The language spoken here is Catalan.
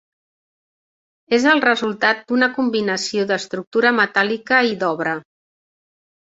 És el resultat d'una combinació d'estructura metàl·lica i d'obra.